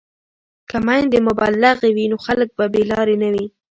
که میندې مبلغې وي نو خلک به بې لارې نه وي.